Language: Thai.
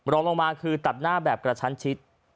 รองลงมาคือตัดหน้าแบบกระชั้นชิด